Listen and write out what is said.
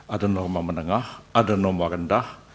ada norma menengah ada norma rendah